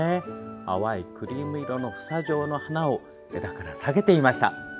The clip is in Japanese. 淡いクリーム色の房状の花を枝から下げていました。